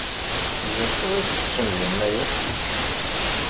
D acu i ttettem di Yennayer?